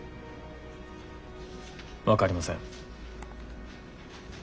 分かりません。